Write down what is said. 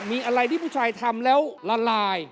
มีอะไรที่ผู้ชายทำแล้วละลาย